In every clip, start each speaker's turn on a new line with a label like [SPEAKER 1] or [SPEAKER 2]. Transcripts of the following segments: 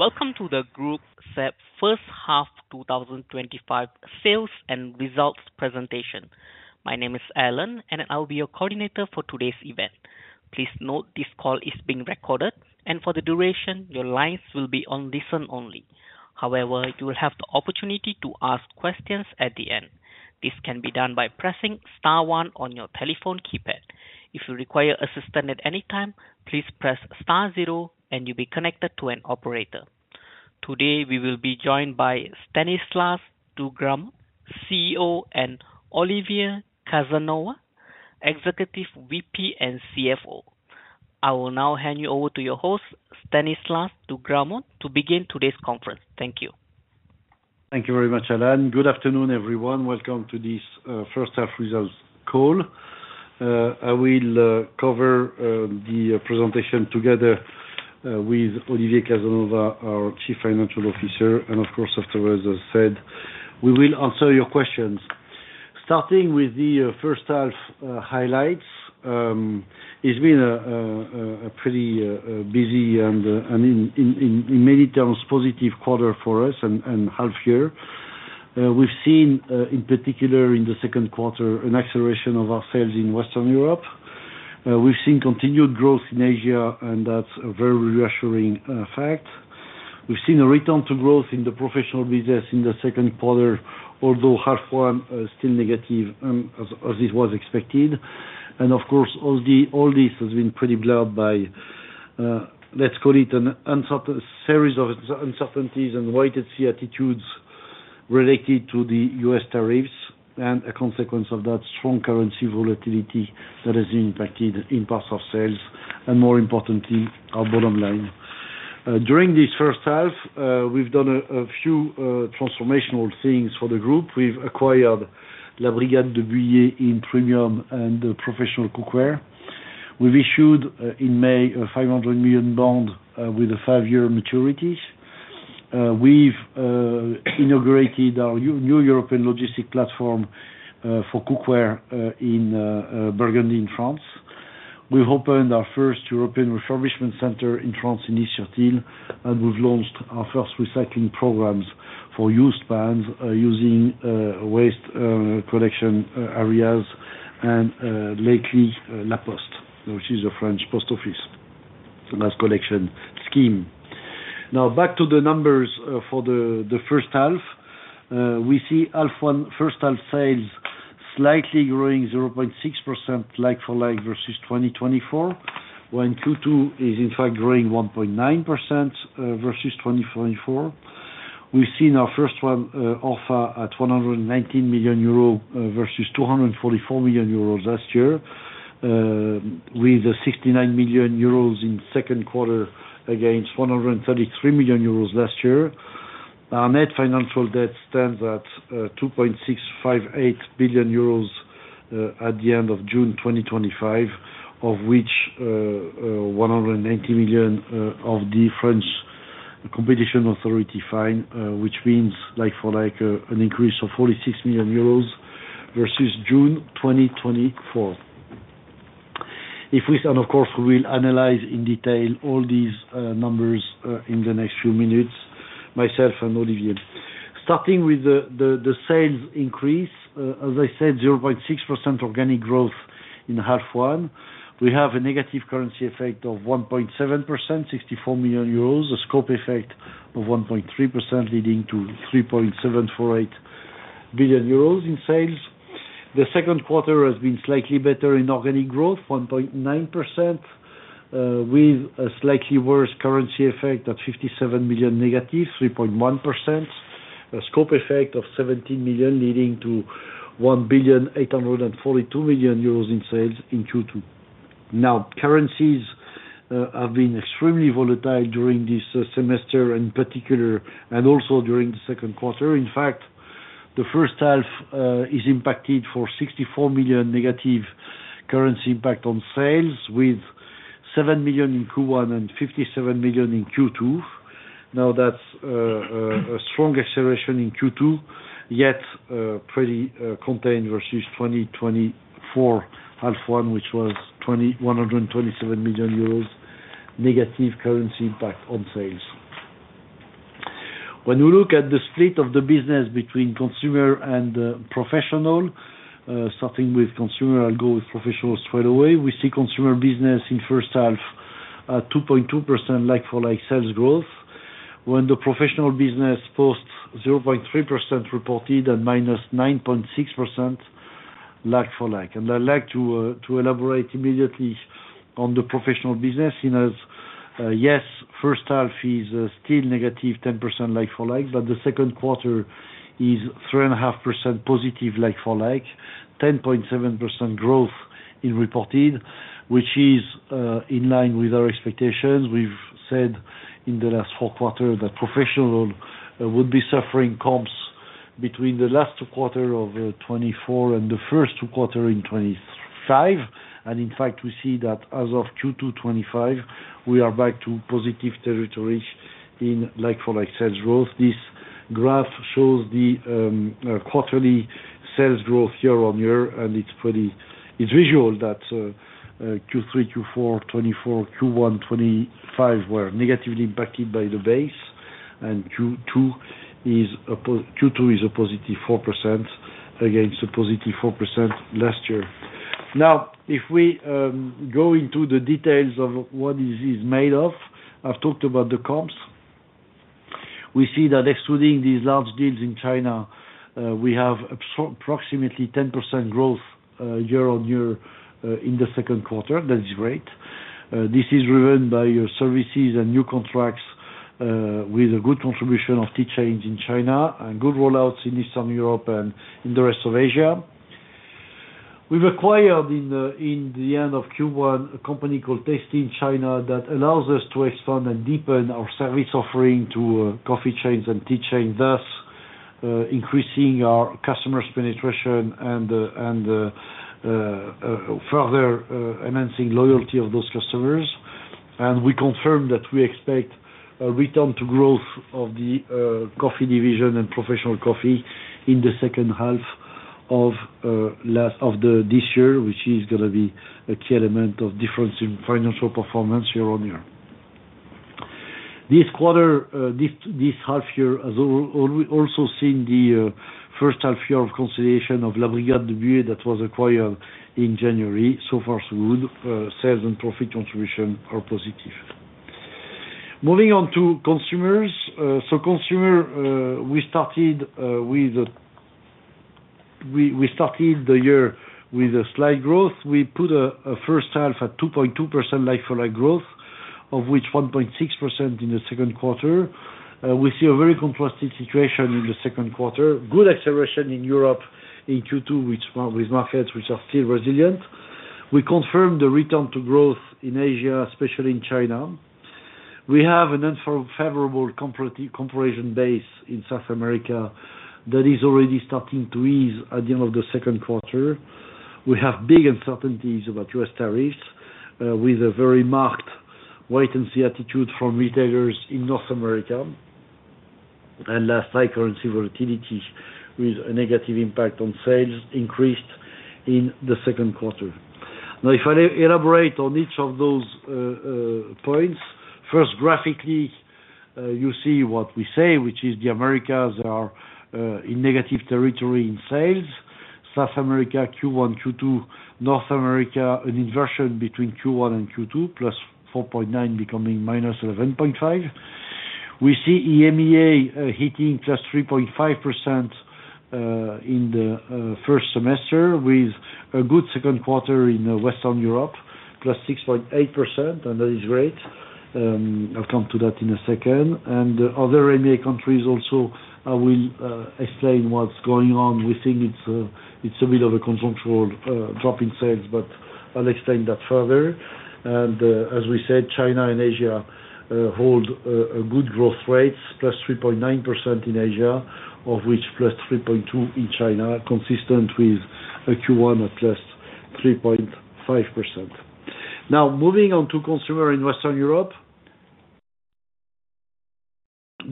[SPEAKER 1] Welcome to the Groupe SEB first half 2025 sales and results presentation. My name is Alan and I'll be your coordinator for today's event. Please note this call is being recorded, and for the duration your lines will be on listen only. However, you will have the opportunity to ask questions at the end. This can be done by pressing star one on your telephone keypad. If you require assistance at any time, please press star zero and you'll be connected to an operator. Today we will be joined by Stanislas de Gramont, CEO, and Olivier Casanova, Executive VP and CFO. I will now hand you over to your host, Stanislas de Gramont, to begin today's conference. Thank you.
[SPEAKER 2] Thank you very much, Alan. Good afternoon everyone. Welcome to this first half results call. I will cover the presentation together with Olivier Casanova, our Chief Financial Officer. Of course, afterwards, as said, we will answer your questions starting with the first half highlights. It's been a pretty busy and in many terms positive quarter for us and half year. We've seen in particular in the second quarter an acceleration of our sales in Western Europe. We've seen continued growth in Asia and that's a very reassuring fact. We've seen a return to growth in the professional business in the second quarter, although half one is still negative as it was expected. All this has been pretty blurred by, let's call it, a series of uncertainties and wait-and-see attitudes related to the U.S. tariffs and a consequence of that strong currency volatility that has impacted in parts of sales and more importantly our bottom line. During this first half we've done a few transformational things for the group. We've acquired La Brigade de Buyer in premium and professional cookware. We've issued in May a 500 million bond with a five-year maturity. We've inaugurated our new European logistics platform for cookware in Burgundy, France. We've opened our first European refurbishment center in France in Is-sur-Tille. We've launched our first recycling programs for used pans using waste collection areas and lately La Poste, which is a French post office collection scheme. Now back to the numbers. For the first half we see first half sales slightly growing 0.6% like-for-like versus 2024, when Q2 is in fact growing 1.9% versus 2024. We've seen our first half ORfA at 119 million euros versus 244 million euros last year, with 69 million euros in the second quarter against 133 million euros last year. Our net financial debt stands at 2.658 billion euros at the end of June 2025, of which 180 million is the French Competition Authority fine, which means an increase of 46 million euros versus June 2024. Of course, we will analyze in detail all these numbers in the next few minutes, myself and Olivier, starting with the sales increase. As I said, 0.6% organic growth in half one. We have a negative currency effect of 1.7%, 64 million euros, a scope effect of 1.3%, leading to 3.748 billion euros in sales. The second quarter has been slightly better in organic growth, 1.9%, with a slightly worse currency effect at 57 million. -3.1%, a scope effect of 17 million, leading to 1.842 billion in sales in Q2. Now, currencies have been extremely volatile during this semester in particular and also during the second quarter. In fact, the first half is impacted for 64 million negative currency impact on sales with 7 million in Q1 and 57 million in Q2. Now that's a strong acceleration in Q2 yet pretty contained versus 2024 half one, which was 127 million euros negative currency impact on sales. When we look at the split of the business between consumer and professional, starting with consumer, I'll go with professional straight away. We see consumer business in first half 2.2% like-for-like sales growth. When the professional business posts 0.3% reported and -9.6% like-for-like. I'd like to elaborate immediately on the professional business. Yes, first half is still -10% like-for-like. The second quarter is 3.5% positive like-for-like, 10.7% growth in reported, which is in line with our expectations. We've said in the last four quarters that professional would be suffering comps between the last quarter of 2020 and the first two quarters in 2025. In fact, we see that as of Q2 2025 we are back to positive territory in like-for-like sales growth. This graph shows the quarterly sales growth year-on-year. It's visual that Q3, Q4 2024, Q1 2025 were negatively impacted by the base. Q2 is a positive 4% against a positive 4% last year. If we go into the details of what this is made of, I've talked about the comps. We see that excluding these large deals in China, we have approximately 10% growth year-on-year in the second quarter. That is great. This is driven by services and new contracts with a good contribution of tea chains in China and good rollouts in Eastern Europe and in the rest of Asia. We've acquired in the end of Q1 a company called Tasty in China that allows us to expand and deepen our service offering to coffee chains and tea chains, thus increasing our customers' penetration and further enhancing loyalty of those customers. We confirm that we expect a return to growth of the coffee division and professional coffee in the second half of this year, which is going to be a key element of difference in financial performance year-on-year. This quarter, this half year has also seen the first half year of consideration of La Brigade de Buyer that was acquired in January. So far so good, sales and profit contribution are positive. Moving on to consumers. Consumer, we started the year with a slight growth. We put a first half at 2.2% like-for-like growth, of which 1.6% in the second quarter. We see a very contrasted situation in the second quarter. Good acceleration in Europe in Q2 with markets which are still resilient. We confirmed the return to growth in Asia, especially in China. We have an unfavorable comparison base in South America that is already starting to ease at the end of the second quarter. We have big uncertainties about U.S. tariffs with a very marked wait-and-see attitude from retailers. North America, and last, high currency volatility with a negative impact on sales increased in the second quarter. Now, if I elaborate on each of those points, first graphically you see what we say, which is the Americas are in negative territory in sales. South America, Q1, Q2, North America, an inversion between Q1 and Q2, +4.9% becoming -11.5%. We see EMEA hitting +3.5% in the first semester with a good second quarter in Western Europe, +6.8%. That is great. I'll come to that in a second. Other EMEA countries also, we'll explain what's going on. We think it's a bit of a consensual drop in sales, but I'll explain that further. As we said, China and Asia hold good growth rates, +3.9% in Asia, of which +3.2% in China, consistent with a Q1 at just 3.5%. Now, moving on to consumer in Western Europe,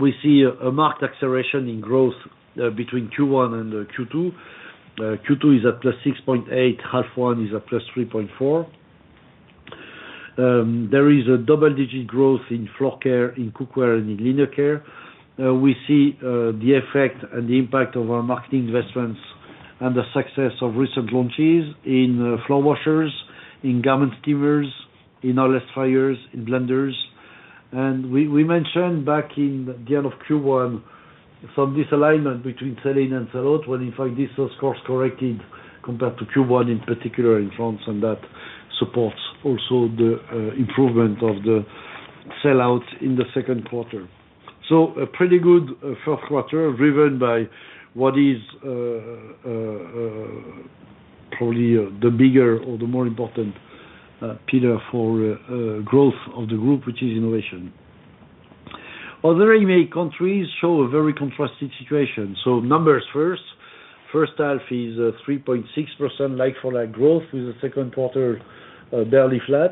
[SPEAKER 2] we see a marked acceleration in growth between Q1 and Q2. Q2 is at 6.8%, half one is at +3.4%. There is a double-digit growth in floor care, in cookware, and in linen care. We see the effect and the impact of our marketing investments and the success of recent launches in floor washers, in garment steamers, in oil-less fryers, in blenders. We mentioned back in the end of Q1 some disalignment between sell-in and sell-out, when in fact this of course corrected compared to Q1, in particular in France, and that supports also the improvement of the sell-out in the second quarter. A pretty good first quarter driven by what is probably the bigger or the more important pillar for growth of the group, which is innovation. Other EMEA countries show a very contrasted situation. Numbers first, first half is 3.6% like-for-like growth, with the second quarter barely flat,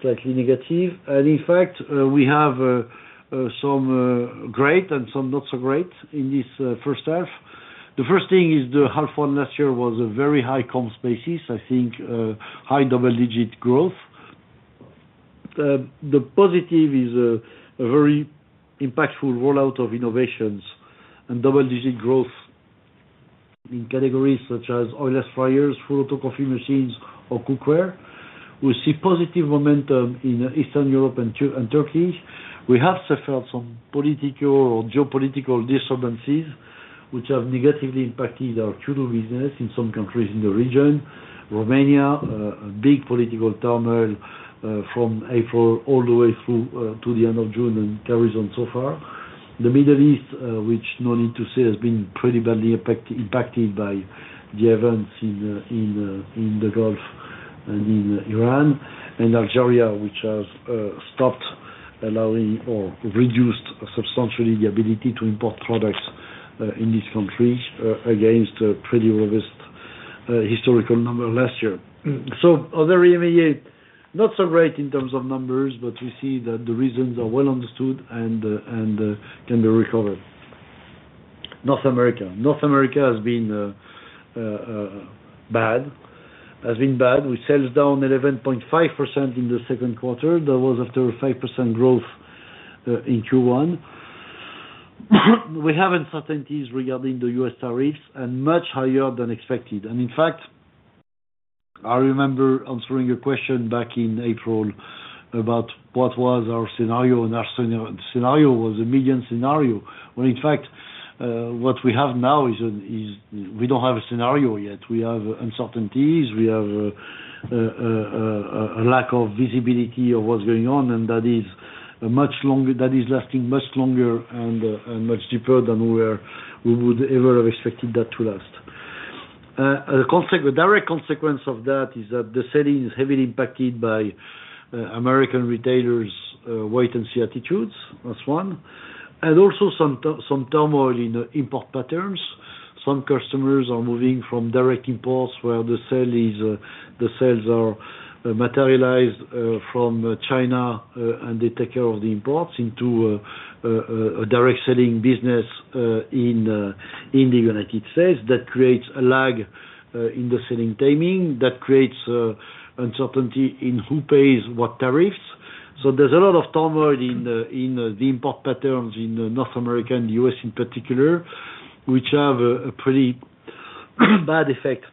[SPEAKER 2] slightly negative, and in fact we have some great and some not so great in this first half. The first thing is the half one last year was a very high comps basis, I think half high double digit growth. The positive is a very impactful rollout of innovations and double digit growth in categories such as oil-less fryers, full auto coffee machines, or cookware. We see positive momentum in Eastern Europe and Turkey. We have suffered some political or geopolitical disturbances which have negatively impacted our Q2 business in some countries in the region. Romania, big political turmoil from April all the way through to the end of June and carries on so far. The Middle East, which no need to say, has been pretty badly impacted by the events in the Gulf and in Iran and Algeria, which has stopped allowing or reduced substantially the ability to import Groupe SEB products in this country against a pretty robust historical number last year. Other EMEA not so great in terms of numbers, but we see that the reasons are well understood and can be recovered. North America has been bad, has been bad with sales down 11.5% in the second quarter. That was after 5% growth in Q1. We have uncertainties regarding the U.S. tariffs and much higher than expected. I remember answering a question back in April about what was our scenario and our scenario was a median scenario when in fact what we have now is we don't have a scenario yet. We have uncertainties, we have a lack of visibility of what's going on and that is much longer, that is lasting much longer and much deeper than we would ever have expected that to last. A direct consequence of that is that the selling is heavily impacted by American retailers' wait and see attitudes. That's one. Also some turmoil in import patterns. Some customers are moving from direct imports where the sales are materialized from China and they take care of the imports into a direct selling business in the United States. That creates a lag in the selling timing, that creates uncertainty in who pays what tariffs. There's a lot of turmoil in the import patterns in North America and the U.S. in particular, which have a pretty bad effect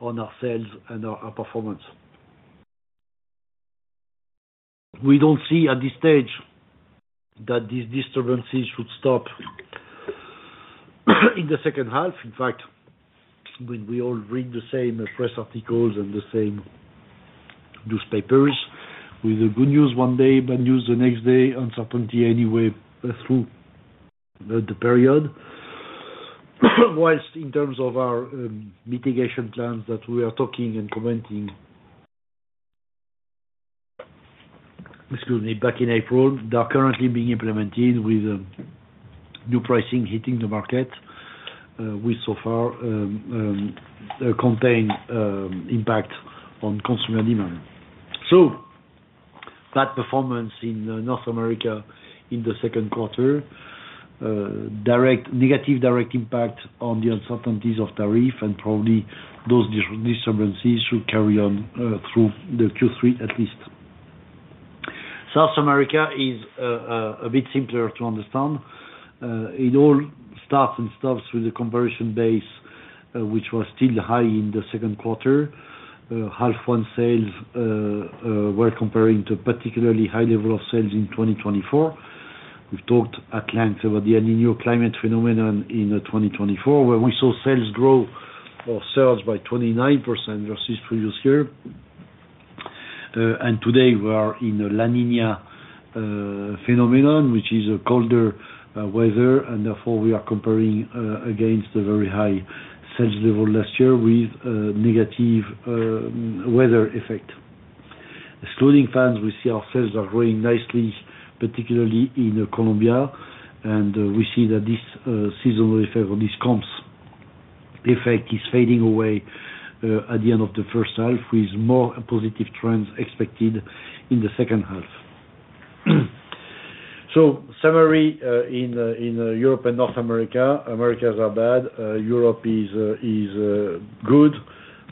[SPEAKER 2] on our sales and our performance. We don't see at this stage that these disturbances should stop in the second half. In fact, when we all read the same press articles and the same newspapers with the good news one day, bad news the next day, uncertainty anyway through the period. In terms of our mitigation plans that we are talking and commenting, excuse me, back in April, they are currently being implemented with new pricing hitting the market. We so far contained impact on consumer demand. Bad performance in North America in the second quarter, direct negative, direct impact on the uncertainties of tariffs and probably those disturbances should carry on through Q3 at least. South America is a bit simpler to understand. It all starts and stops with the comparison base, which was still high in the second quarter. Half one sales were comparing to particularly high level of sales in 2024. We've talked at length about the El Nino climate phenomenon in 2024 where we saw sales grow or surge by 29% versus previous year. Today we are in a La Nina phenomenon, which is a colder weather, and therefore we are comparing against a very high last year with negative weather effect. Excluding fans, we see our sales are growing nicely, particularly in Colombia, and we see that this seasonal effect on this comps effect is fading away at the end of the first half with more positive trends expected in the second half. Summary, in Europe and North America, Americas are bad, Europe is good,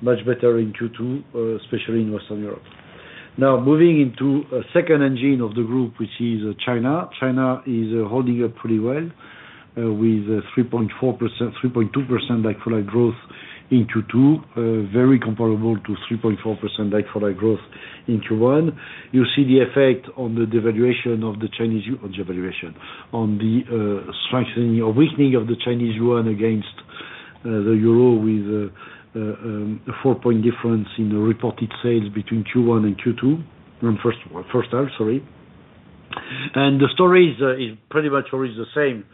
[SPEAKER 2] much better in Q2, especially in Western Europe. Now moving into a second engine of the group, which is China. China is holding up pretty well with 3.4%, 3.2% like-for-like growth in Q2, very comparable to 3.4% like-for-like growth in Q1. You see the effect on the devaluation of the Chinese, on the strengthening or weakening of the Chinese yuan against the euro with a four point difference in the reported sales between Q1 and Q2 first half. Sorry. The story is pretty much always the same.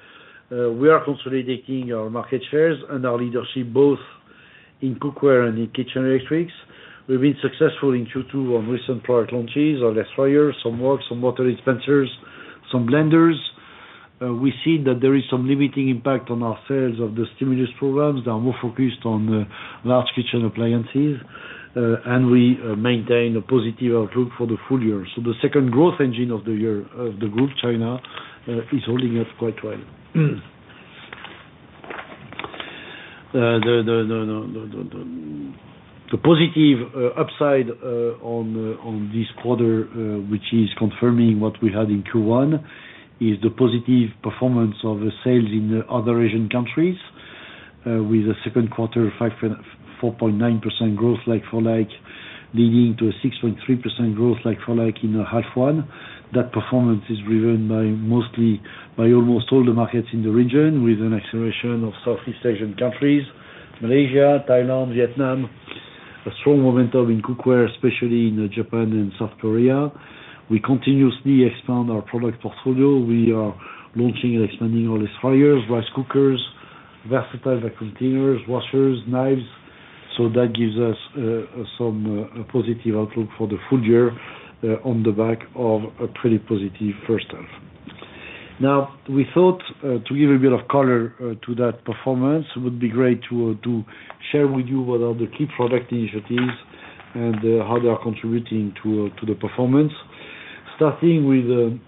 [SPEAKER 2] We are consolidating our market shares and our leadership both in cookware and in kitchen electrics. We've been successful in Q2 on recent product launches, oil-less fryers, some water dispensers, some blenders. We see that there is some limiting impact on our sales of the stimulus programs that are more focused on large kitchen appliances, and we maintain a positive outlook for the full year. The second growth engine of the group, China, is holding up quite well. The positive upside on this quarter, which is confirming what we had in Q1, is the positive performance of sales in other Asian countries. With the second quarter 4.9% growth like-for-like leading to a 6.3% growth like-for-like in half one. That performance is driven mostly by almost all the markets in the region, with an acceleration of Southeast Asian countries: Malaysia, Thailand, Vietnam. A strong momentum in cookware, especially in Japan and South Korea. We continuously expand our product portfolio. We are launching and expanding oil-less fryers, rice cookers, versatile containers, washers, knives. That gives us some positive outlook for the full year on the back of a pretty positive first half. Now, we thought to give a bit of color to that performance. It would be great to share with you what are the key product initiatives and how they are contributing to the performance. Starting with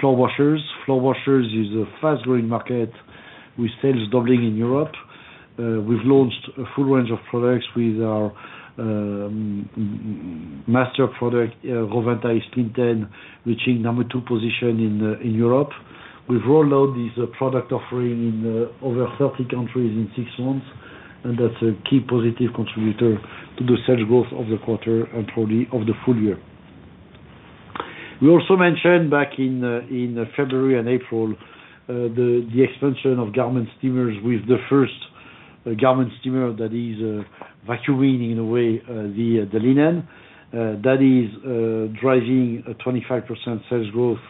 [SPEAKER 2] floor washers. Floor washers is a fast-growing market with sales doubling in Europe. We've launched a full range of products with our master product Rovante Splintin reaching number two position in Europe. We've rolled out this product offering in over 30 countries in six months and that's a key positive contributor to the sales growth of the quarter and probably of the full year. We also mentioned back in February and April the expansion of garment steamers, with the first garment steamer that is vacuuming in a way the linen that is driving a 25% sales growth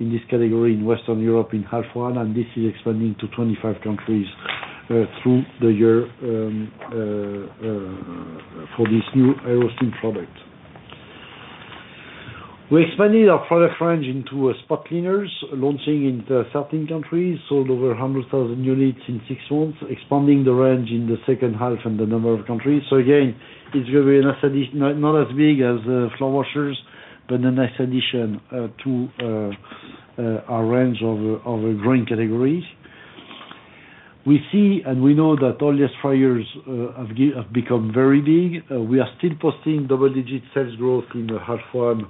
[SPEAKER 2] in this category in Western Europe in half one. This is expanding to 25 countries through the year. For this new Aerostin product, we expanded our product range into spot cleaners, launching in south starting countries, sold over 100,000 units in six months, expanding the range in the second half and the number of countries. Again, it's going to be not as big as floor washers, but a nice addition to our range of growing categories. We see and we know that oil-less fryers have become very big. We are still posting double-digit sales growth in the half one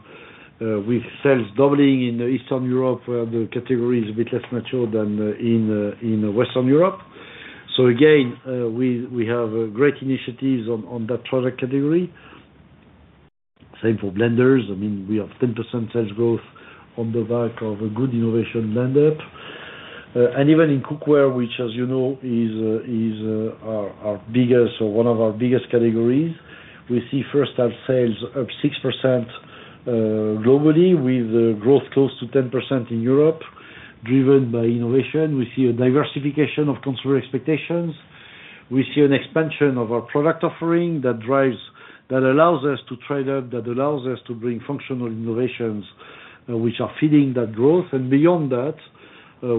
[SPEAKER 2] with sales doubling in Eastern Europe where the category is a bit less mature than in Western Europe. We have great initiatives on that product category. Same for blenders. I mean, we have 10% sales growth on the back of a good innovation blend up. Even in cookware, which as you know is our biggest or one of our biggest categories, we see first half sales of 6% globally with growth close to 10% in Europe. Driven by innovation, we see a diversification of consumer expectations. We see an expansion of our product offering that drives, that allows us to trade up, that allows us to bring functional innovations which are feeding that growth. Beyond that,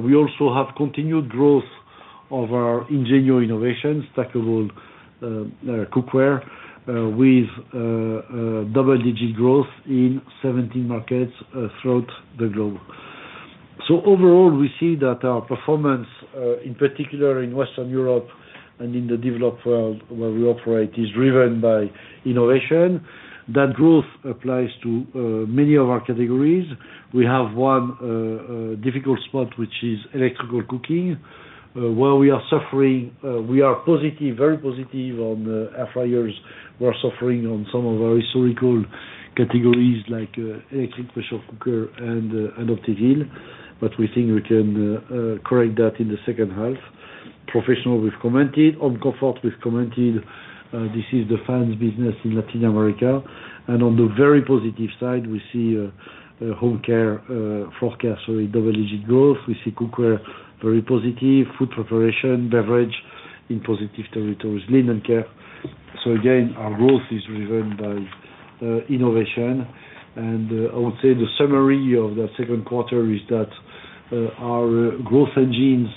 [SPEAKER 2] we also have continued growth of our ingenuity innovations, stackable cookware with double-digit growth in 17 markets throughout the globe. Overall, we see that our performance in particular in Western Europe and in the developed world where we operate is driven by innovation. That growth applies to many of our categories. We have one difficult spot, which is electrical cooking, where we are suffering. We are positive, very positive on air fryers. We are suffering on some of our historical categories like electric pressure cooker and [OptiGrill], but we think we can correct that in the second half. Professional. We've commented on comfort, we've commented, this is the fans business in Latin America. On the very positive side, we see home care, double-digit growth. We see cookware, very positive. Food preparation, beverage in positive territories, linen care. Our growth is driven by innovation. I would say the summary of the second quarter is that our growth engines,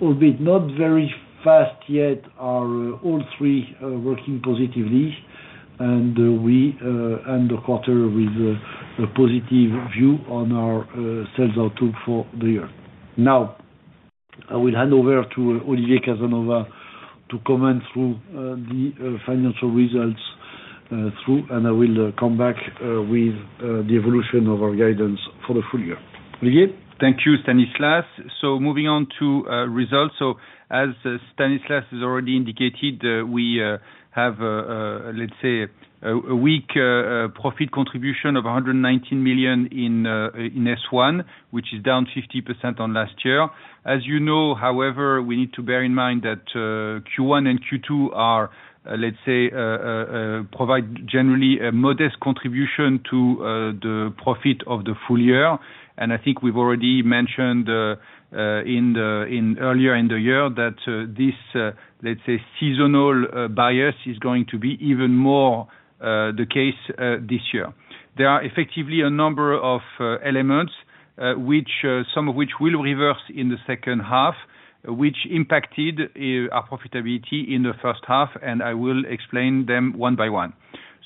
[SPEAKER 2] albeit not very fast yet, are all three working positively and we end the quarter with a positive view on our sales outlook for the year. Now I will hand over to Olivier Casanova to comment through the financial results and I will come back with the evolution of our guidance for the full year. Olivier.
[SPEAKER 3] Thank you, Stanislas. Moving on to results. As Stanislas has already indicated, we have a weak profit contribution of 119 million in S1, which is down 50% on last year, as you know. However, we need to bear in mind that Q1 and Q2 generally provide a modest contribution to the profit of the full year. I think we've already mentioned earlier in the year that this seasonal bias is going to be even more the case this year. There are effectively a number of elements, some of which will reverse in the second half, which impacted our profitability in the first half. I will explain them one by one.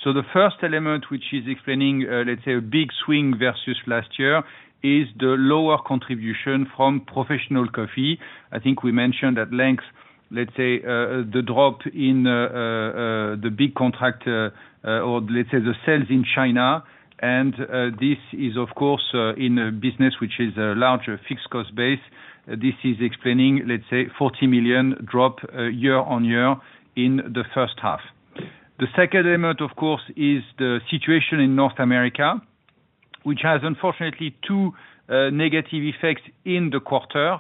[SPEAKER 3] The first element which is explaining a big swing versus last year is the lower contribution from Professional Coffee. I think we mentioned at length the drop in the big contract or the sales in China. This is of course in a business which has a larger fixed cost base. This is explaining a 40 million drop year-on-year in the first half. The second element is the situation in North America, which has unfortunately two negative effects. In the quarter,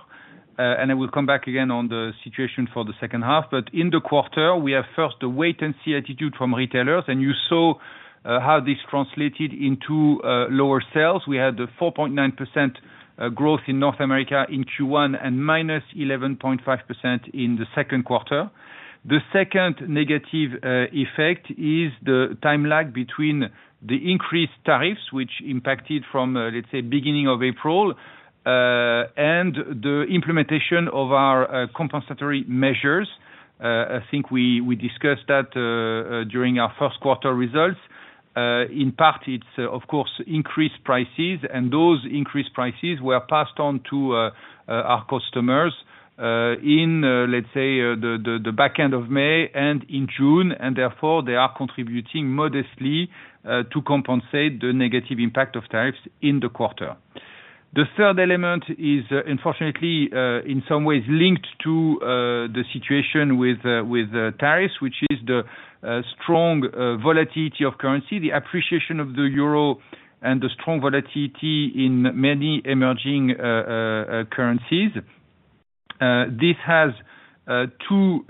[SPEAKER 3] I will come back again on the situation for the second half. In the quarter, we have first the wait-and-see attitude from retailers and you saw how this translated into lower sales. We had the 4.9% growth in North America in Q1 and minus 11.5% in the second quarter. The second negative effect is the time lag between the increased tariffs which impacted from the beginning of April and the implementation of our compensatory measures. I think we discussed that during our first quarter results. In part, it's of course increased prices and those increased prices were passed on to our customers in the back end of May and in June and therefore they are contributing modestly to compensate the negative impact of tariffs in the quarter. The third element is unfortunately in some ways linked to the situation with tariffs, which is the strong volatility of currency, the appreciation of the euro and the strong volatility in many emerging currencies. This has two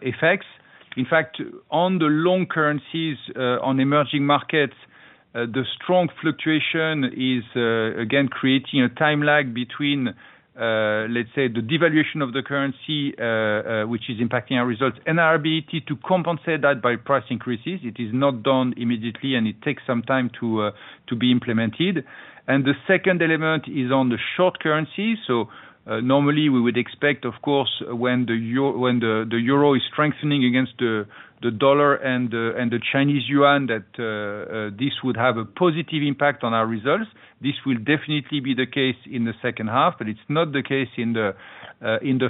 [SPEAKER 3] effects. In fact, on the long currencies, on emerging markets, the strong fluctuation is again creating a time lag between the devaluation of the currency which is impacting our results and our ability to compensate that by price increases. It is not done immediately and it takes some time to be implemented. The second element is on the short currency. Normally we would expect, of course, when the euro is strengthening against the dollar and the Chinese yuan, that this would have a positive impact on our results. This will definitely be the case in the second half, but it's not the case in the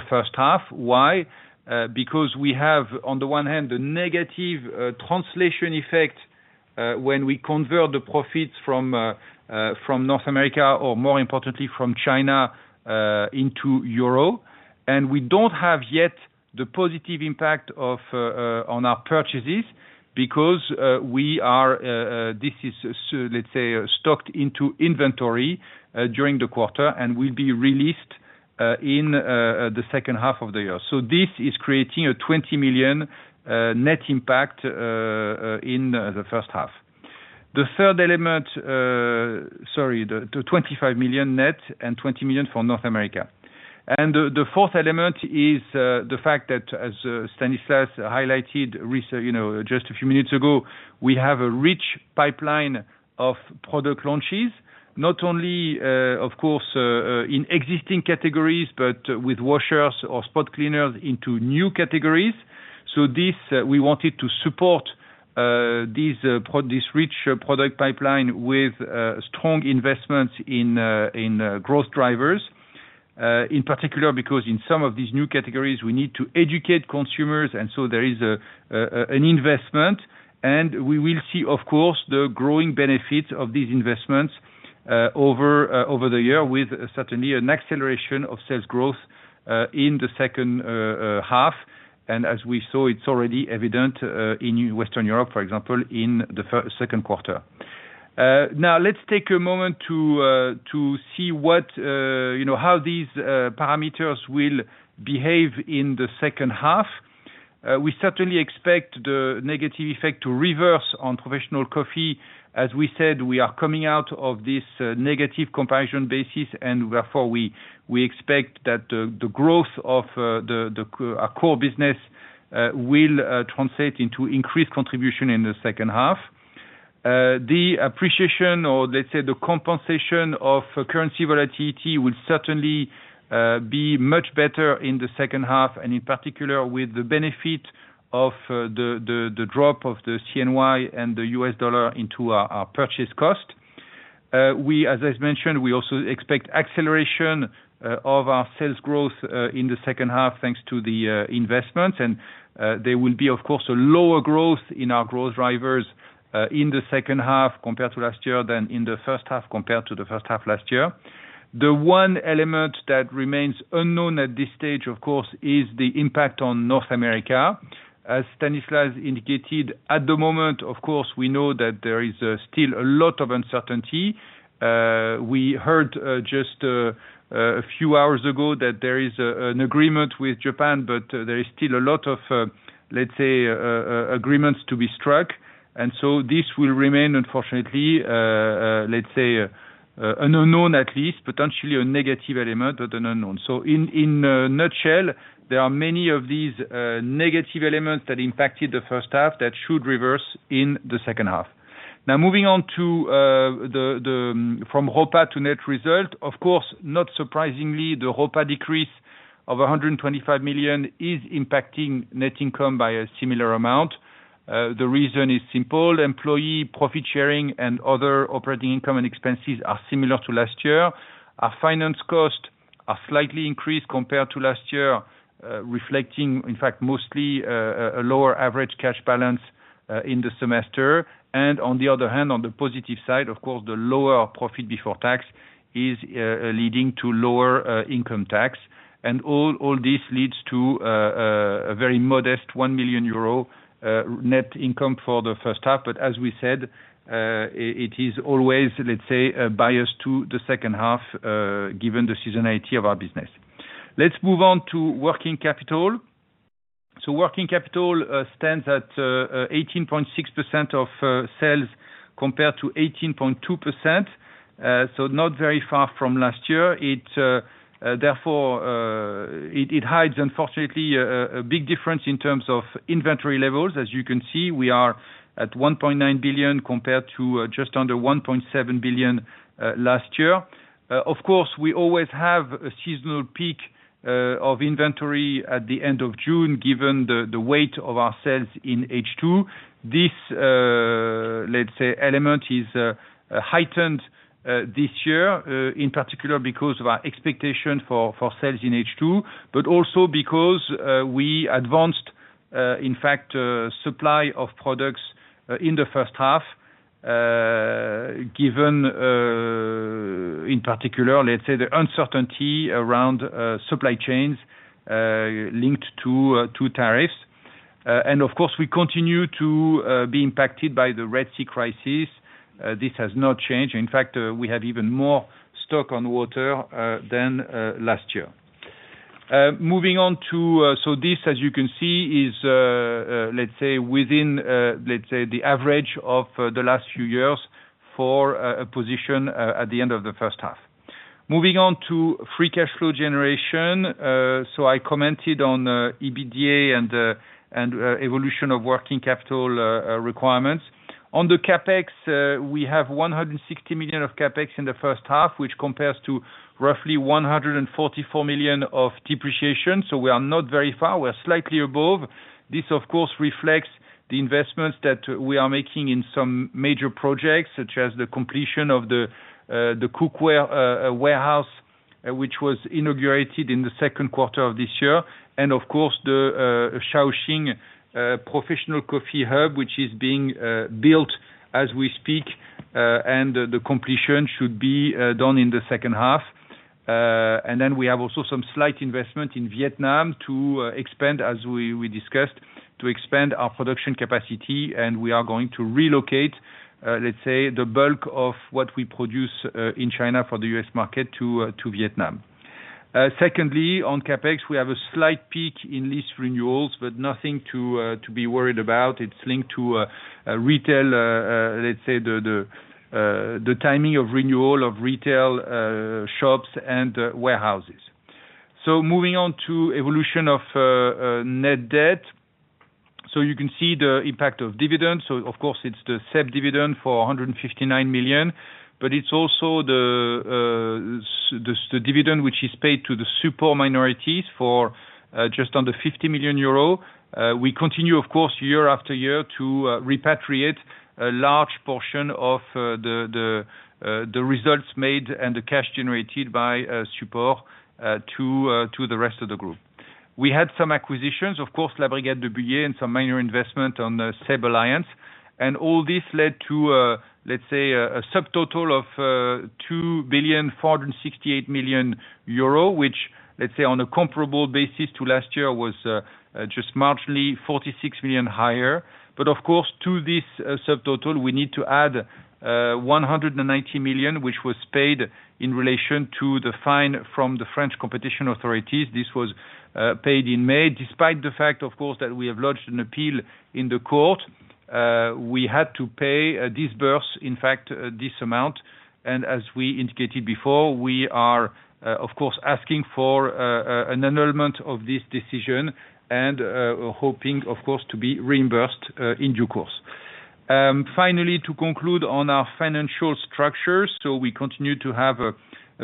[SPEAKER 3] first half. Why? We have, on the one hand, the negative translation effect when we convert the profits from North America or, more importantly, from China into euro. We don't have yet the positive impact on our purchases because this is, let's say, stocked into inventory during the quarter and will be released in the second half of the year. This is creating a 20 million net impact in the first half. The third element, sorry, the 25 million net and 20 million for North America. The fourth element is the fact that, as Stanislas de Gramont highlighted recently, just a few minutes ago, we have a rich pipeline of product launches, not only in existing categories, but with washers or spot cleaners into new categories. We wanted to support this rich product pipeline with strong investments in growth drivers in particular, because in some of these new categories we need to educate consumers and so there is an investment. We will see, of course, the growing benefits of these investments over the year with certainly an acceleration of sales growth in the second half. As we saw, it's already evident in Western Europe, for example, in the second quarter. Now let's take a moment to see how these parameters will behave in the second half. We certainly expect the negative effect to reverse on Professional Coffee. As we said, we are coming out of this negative comparison basis and therefore we expect that the growth of the core business will translate into increased contribution in the second half. The appreciation, or let's say the compensation of currency volatility, will certainly be much better in the second half. In particular, with the benefit of the drop of the CNY and the US dollar into our purchase cost, as I mentioned, we also expect acceleration of our sales growth in the second half thanks to the investments. There will be, of course, a lower growth in our growth drivers in the second half compared to last year than in the first half compared to the first half last year. The one element that remains unknown at this stage, of course, is the impact on North America, as Stanislas indicated at the moment, of course, we know that there is still a lot of uncertainty. We heard just a few hours ago that there is an agreement with Japan, but there is still a lot of, let's say, agreements to be struck. This will remain, unfortunately, let's say, an unknown, at least potentially a negative element, but an unknown. In a nutshell, there are many of these negative elements that impacted the first half that should reverse in the second half. Now, moving on from ORfA to net result, of course, not surprisingly, the ORfA decrease of 125 million is impacting net income by a similar amount. The reason is simple. Employee profit sharing and other operating income and expenses are similar to last year. Our finance cost are slightly increased compared to last year, reflecting in fact mostly a lower average cash balance in the semester. On the other hand, on the positive side, of course, the lower profit before tax is leading to lower income tax. All this leads to a very modest 1 million euro net income for the first half. As we said, it is always, let's say, bias to the second half, given the seasonality of our business. Let's move on to working capital. Working capital stands at 18.6% of sales compared to 18.2%. Not very far from last year. Therefore it hides, unfortunately, a big difference in terms of inventory levels. As you can see, we are at 1.9 billion compared to just under 1.7 billion last year. Of course, we always have a seasonal peak of inventory at the end of June. Given the weight of ourselves in H2, this, let's say, element is heightened this year in particular because of our expectation for sales in H2, but also because we advanced in fact supply of products in the first half. Given in particular, let's say, the uncertainty around supply chains linked to tariffs. Of course, we continue to be impacted by the Red Sea crisis. This has not changed. In fact, we have even more stock on water than last year. This, as you can see, is, let's say, within, let's say, the average of the last few years for a position at the end of the first half. Moving on to free cash flow generation. I commented on EBITDA and evolution of working capital requirements. On the CapEx, we have 160 million of CapEx in the first half, which compares to roughly 144 million of depreciation. We are not very far. We are slightly above. This, of course, reflects the investments that we are making in some major projects, such as the completion of the cookware warehouse, which was inaugurated in the second quarter of this year, and the Shaoxing Professional Coffee hub, which is being built as we speak. The completion should be done in the second half. We have also some slight investment in Vietnam to expand, as we discussed, our production capacity. We are going to relocate, let's say, the bulk of what we produce in China for the U.S. market to Vietnam. On CapEx, we have a slight peak in lease renewals, but nothing to be worried about. It's linked to retail, the timing of renewal of retail shops and warehouses. Moving on to evolution of net financial debt, you can see the impact of dividends. It's the SEB dividend for 159 million, but it's also the dividend which is paid to the Supor minorities for just under 50 million euros. We continue, year after year, to repatriate a large portion of the results made and the cash generated by Supor to the rest of the group. We had some acquisitions, of course, La Brigade de Buyer and some minor investment on the SEB Alliance. All this led to a subtotal of 2.468 billion, which, on a comparable basis to last year, was just marginally 46 million higher. To this subtotal, we need to add 190 million, which was paid in relation to the fine from the French Competition Authority. This was paid in May, despite the fact that we have lodged an appeal in the court. We had to pay this amount. As we indicated before, we are asking for an annulment of this decision and hoping to be reimbursed in due course. Finally, to conclude on our financial structure, we continue to have a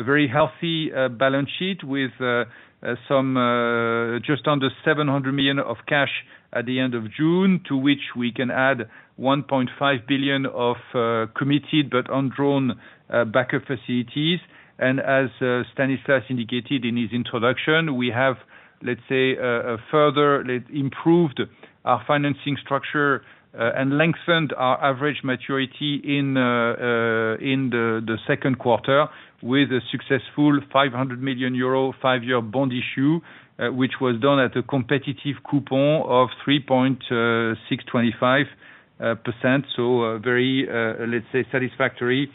[SPEAKER 3] very healthy balance sheet with just under 700 million of cash at the end of June, to which we can add 1.5 billion of committed but undrawn backup facilities. As Stanislas indicated in his introduction, we have further improved our financing structure and lengthened our average maturity in the second quarter with a successful 500 million euro, five-year bond issue, which was done at a competitive coupon of 3.625%. This is a very satisfactory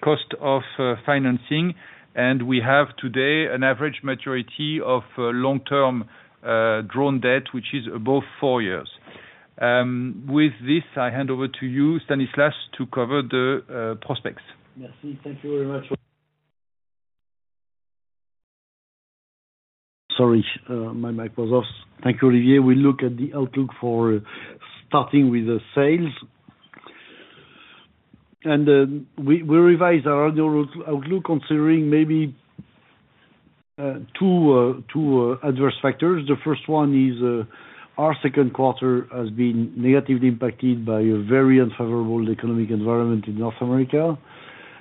[SPEAKER 3] cost of financing. We have today an average maturity of long-term drawn debt which is above four years. With this I hand over to you, Stanislas, to cover the prospects.
[SPEAKER 2] Merci. Thank you very much. Sorry, my mic was off. Thank you, Olivier. We look at the outlook for starting with the sales and we revised our outlook considering maybe two adverse factors. The first one is our second quarter has been negatively impacted by a very unfavorable economic environment in North America,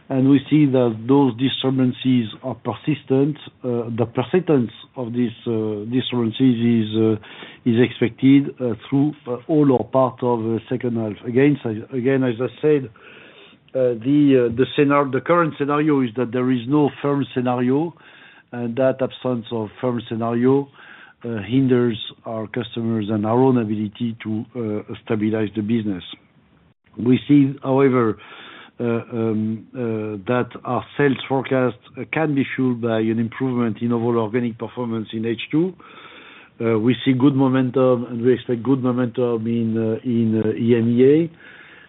[SPEAKER 2] and we see that those disturbances are persistent. The percentage of these disturbances is expected through all or part of second half. As I said, the scenario, the current scenario is that there is no firm scenario, and that absence of firm scenario hinders our customers and our own ability to stabilize the business. We see, however, that our sales forecast can be fueled by an improvement in overall organic performance. In H2, we see good momentum and we expect good momentum in EMEA.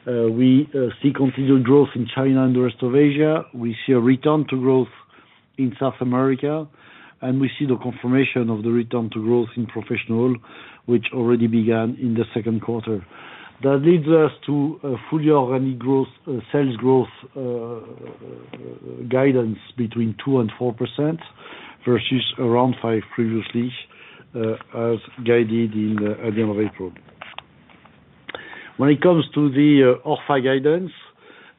[SPEAKER 2] We see continued growth in China and the rest of Asia. We see a return to growth in South America, and we see the confirmation of the return to growth in Professional, which already began in the second quarter. That leads us to a full year and sales growth guidance between 2% and 4% versus around 5% previously as guided at the end of April. When it comes to the ORfA guidance,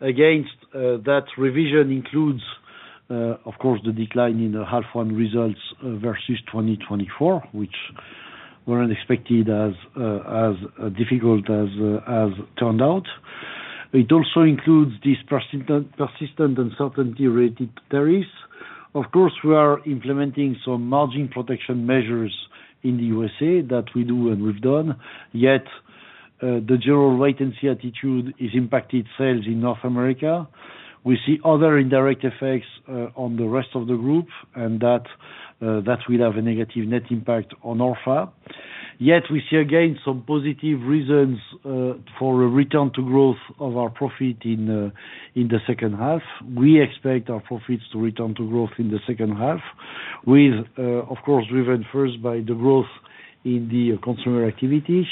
[SPEAKER 2] that revision includes, of course, the decline in half one results versus 2024, which weren't expected as difficult as turned out. It also includes this persistent uncertainty related to tariffs. Of course, we are implementing some margin protection measures in the USA that we do and we've done. Yet the general wait and see attitude has impacted sales in North America. We see other indirect effects on the rest of the group, and that will have a negative net impact on ORfA. Yet we see again some positive reasons for a return to growth of our profit in the second half. We expect our profits to return to growth in the second half, driven first by the growth in the consumer activities,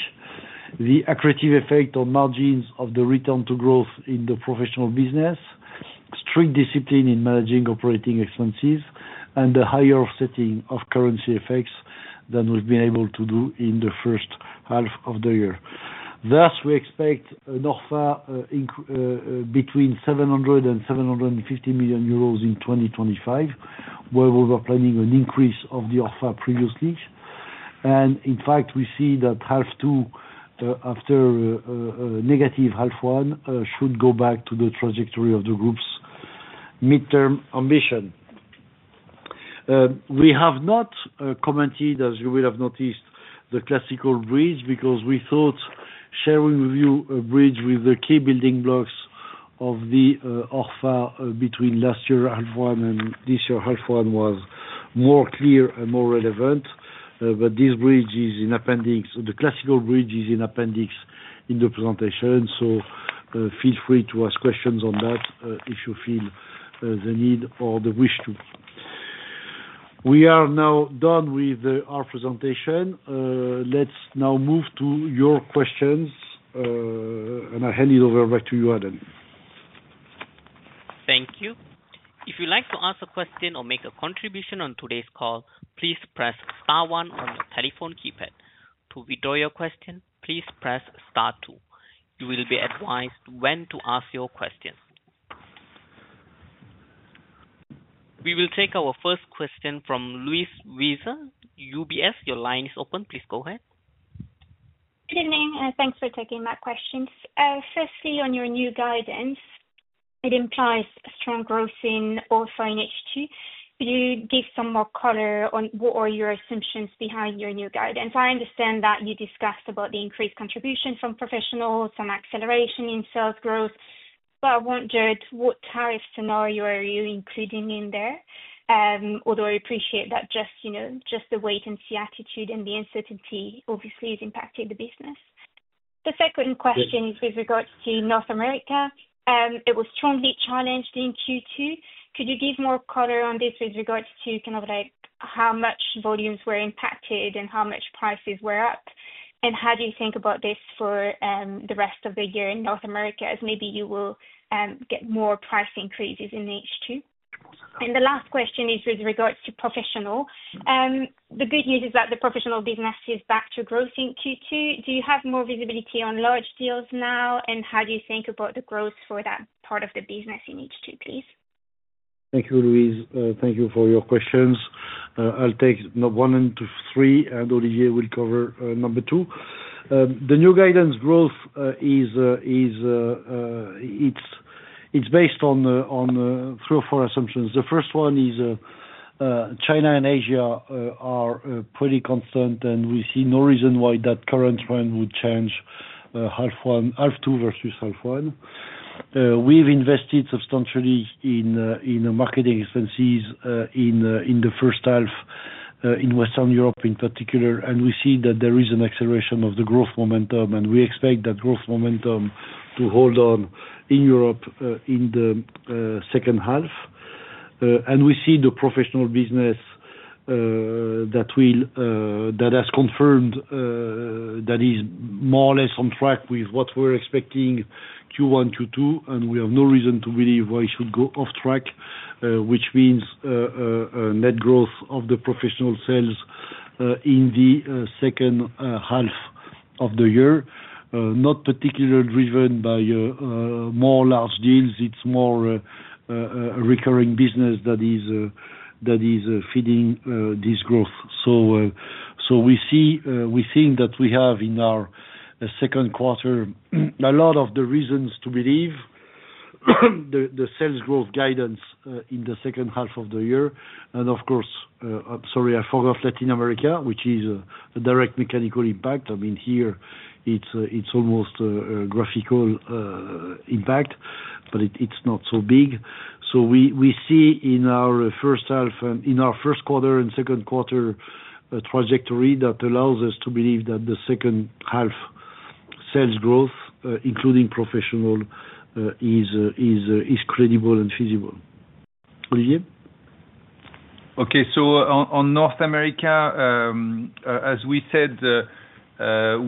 [SPEAKER 2] the accretive effect on margins of the return to growth in the professional business, strict discipline in managing operating expenses, and the higher offsetting of currency effects than we've been able to do in the first half of the year. Thus, we expect an ORfA between 700 million euros and 750 million euros in 2025, where we were planning an increase of the ORfA previously. In fact, we see that half two, after negative half one, should go back to the trajectory of the group's midterm ambition. We have not commented, as you will have noticed, the classical bridge, because we thought sharing with you a bridge with the key building blocks of the ORfA between last year half one and this year half one was more clear and more relevant. This bridge is in appendix. The classical bridge is in appendix in the presentation. Feel free to ask questions on that if you feel the need or the wish to. We are now done with our presentation. Let's now move to your questions and I hand it over back to you, Alan.
[SPEAKER 1] Thank you. If you'd like to ask a question or make a contribution on today's call, please press star one on your telephone keypad. To withdraw your question, please press star two. You will be advised when to ask your question. We will take our first question from Louise Wiseur, UBS. Your line is open. Please go ahead.
[SPEAKER 4] Good evening. Thanks for taking that question. Firstly, on your new guidance, it implies strong growth in ORfA in H2. Could you give some more color on what are your assumptions behind your new guidance? I understand that you discussed about the increased contribution from professional, some acceleration in sales growth, but I wondered what tariff scenario are you including in there? Although I appreciate that, you know, just the wait and see attitude and the uncertainty obviously is impacting the business. The second question is with regards to North America, it was strongly challenged in Q2. Could you give more color on this with regards to kind of like how much volumes were impacted and how much prices were up and how do you think about this for the rest of the year in North America as maybe you will get more price increases in H2? The last question is with regards to professional, the good news is that the professional business is back to growth in Q2. Do you have more visibility on large deals now? How do you think about the growth for that part of the business in H2, please.
[SPEAKER 2] Thank you, Louise. Thank you for your questions. I'll take one to three and Olivier will cover number two. The new guidance growth is based on three or four assumptions. The first one is China and Asia are pretty constant and we see no reason why that current trend would change. Half one, half two versus half one. We've invested substantially in marketing expenses in the first half, in Western Europe in particular. We see that there is an acceleration of the growth momentum and we expect that growth momentum to hold on in Europe in the second half. We see the professional business that has confirmed that it is more or less on track with what we're expecting. Q1, Q2 and we have no reason to believe we should go off track, which means net growth of the professional sales in the second half of the year not particularly driven by more large deals. It's more a recurring business that is feeding this growth. We think that we have in our second quarter a lot of the reasons to believe the sales growth guidance in the second half of the year. Of course, I'm sorry, I forgot Latin America, which is a direct mechanical impact. I mean here it's almost graphical impact, but it's not so big. We see in our first half, in our first quarter and second quarter a trajectory that allows us to believe that the second half sales growth, including professional, is credible and feasible.
[SPEAKER 3] Okay, so on North America, as we said,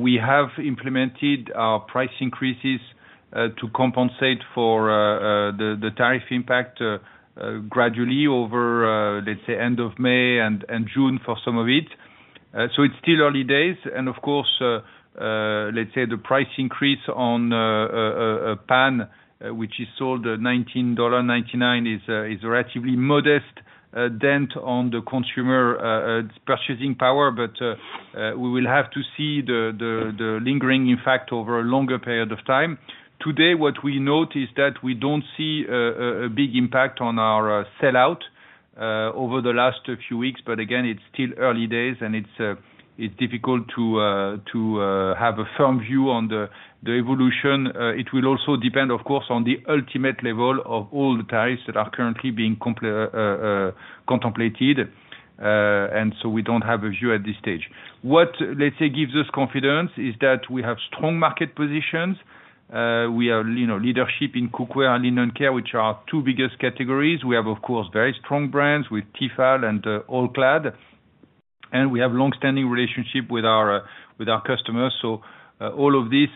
[SPEAKER 3] we have implemented our price increases to compensate for the tariff impact gradually over, let's say, end of May and June for some of it. It's still early days. Of course, the price increase on a pan which is sold at $19.99 is a relatively modest dent on the consumer purchasing power. We will have to see the lingering effect over a longer period of time. Today, what we note is that we don't see a big impact on our sales sell-out over the last few weeks. Again, it's still early days and it's difficult to have a firm view on the evolution. It will also depend, of course, on the ultimate level of all the tariffs that are currently being contemplated. We don't have a view at this stage. What gives us confidence is that we have strong market positions. We are leadership in cookware and linen care, which are our two biggest categories. We have, of course, very strong brands with T-fal and All-Clad, and we have long-standing relationships with our customers. All of this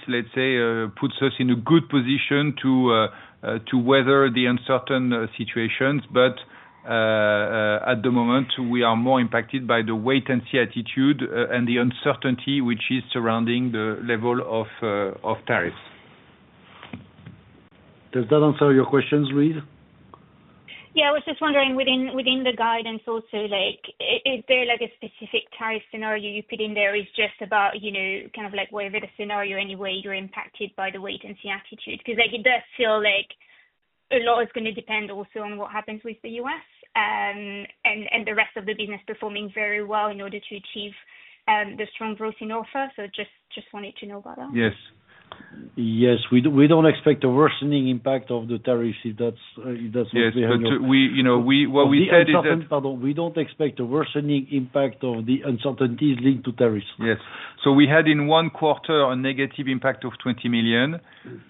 [SPEAKER 3] puts us in a good position to weather the uncertain situations. At the moment, we are more impacted by the wait-and-see attitude and the uncertainty which is surrounding the level of tariffs.
[SPEAKER 2] Does that answer your questions, Louise?
[SPEAKER 4] Yeah, I was just wondering within the guidance also, is there a specific tariff scenario you put in there? It's just about, you know, whatever the scenario, anyway, you're impacted by the wait and see attitude because it does feel like a lot is going to depend also on what happens with the U.S. and the rest of the business performing very well in order to achieve the strong growth in offer. Just wanted to know about that.
[SPEAKER 2] Yes. Yes, we don't expect a worsening impact of the tariffs.
[SPEAKER 3] Yes.
[SPEAKER 2] We don't expect a worsening impact of the uncertainties linked to tariffs.
[SPEAKER 3] Yes. We had in one quarter a negative impact of 20 million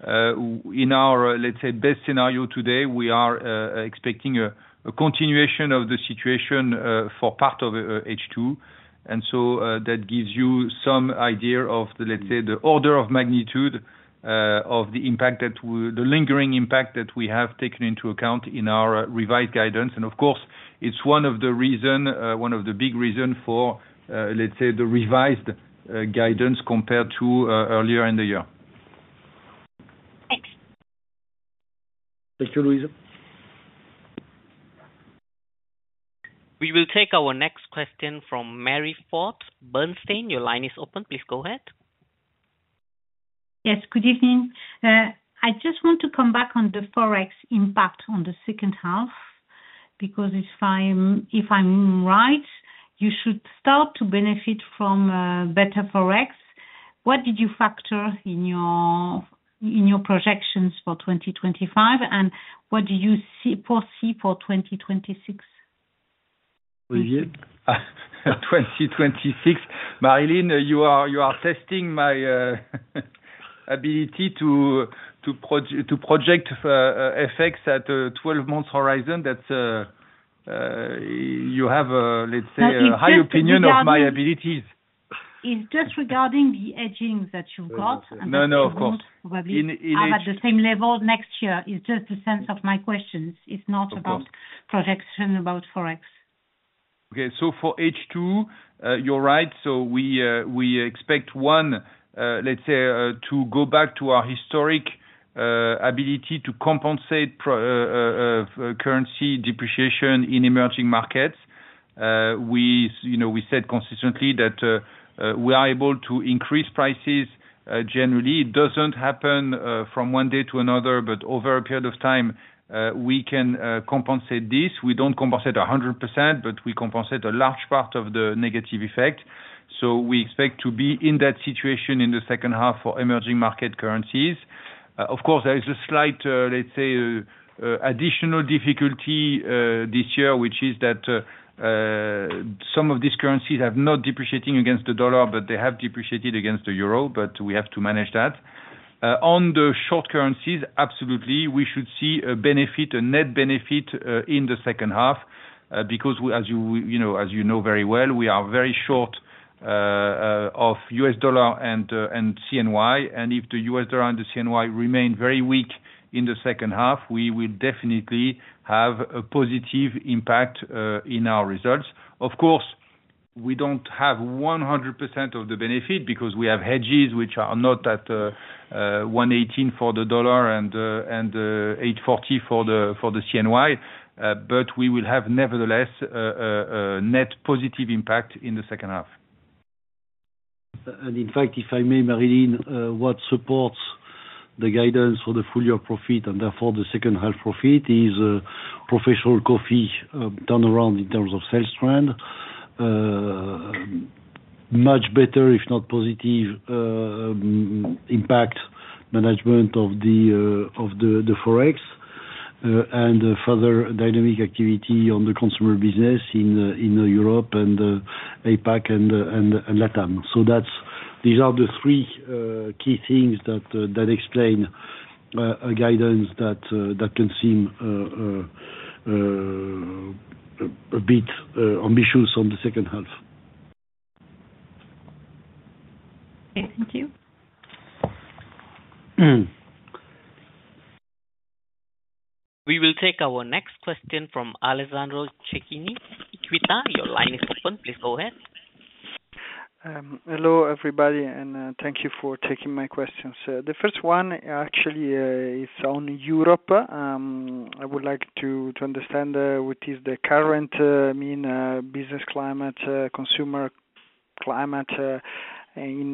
[SPEAKER 3] in our, let's say, best scenario. Today we are expecting a continuation of the situation for part of H2, which gives you some idea of the order of magnitude of the impact, the lingering impact that we have taken into account in our revised guidance. Of course, it's one of the reasons, one of the big reasons for the revised guidance compared to earlier in the year.
[SPEAKER 4] Thanks.
[SPEAKER 2] Thank you, Luisa.
[SPEAKER 1] We will take our next question from Mary Ford, Bernstein. Your line is open. Please go ahead.
[SPEAKER 5] Yes, good evening. I just want to come back on the Forex impact on the second half because if I'm right, you should start to benefit from better Forex. What did you factor in your projections for 2025 and what do you foresee for 2026?
[SPEAKER 3] 2026, Marilyn, you are testing my ability to project FX at 12 months horizon. You have, let's say, high opinion of my abilities.
[SPEAKER 5] It's just regarding the edging that you've got.
[SPEAKER 3] No, no, of course
[SPEAKER 5] I'm at the same level. Next is just the sense of my questions. It's not about projection, about Forex.
[SPEAKER 3] Okay, for H2 you're right. We expect, let's say, to go back to our historic ability to compensate currency depreciation in emerging markets. We said consistently that we are able to increase prices. Generally, it doesn't happen from one day to another, but over a period of time we can compensate this. We don't compensate 100%, but we compensate a large part of the negative effect. We expect to be in that situation in the second half for emerging market currencies. Of course, there is a slight, let's say, additional difficulty this year, which is that some of these currencies have not depreciated against the dollar, but they have depreciated against the euro. We have to manage that on the short currencies. Absolutely, we should see a benefit, a net benefit in the second half because, as you know very well, we are very short of US dollar and CNY. If the US dollar and the CNY remain very weak in the second half, we will definitely have a positive impact in our results. Of course, we don't have 100% of the benefit because we have hedges which are not at 1.18 for the dollar and 8.40 for the CNY. We will have nevertheless net positive impact in the second half.
[SPEAKER 2] In fact, if I may, what supports the guidance for the full year profit and therefore the second half profit is a Professional Coffee turnaround in terms of sales trend, much better if not positive, impact management of the forex, and further dynamic activity on the consumer business in Europe, APAC, and Latam. These are the three key things that explain a guidance that can seem a bit ambitious on the second half.
[SPEAKER 5] Thank you.
[SPEAKER 1] We will take our next question from Alessandro Cecchini. Your line is open. Please go ahead. Hello everybody and thank you for taking my questions. The first one actually is on Europe. I would like to understand what is the current business climate, consumer climate in